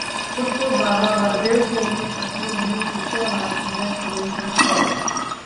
'खुद को बाबा हरदेव सिंह की पत्नी नहीं शिष्या मानती हैं सविंदर कौर'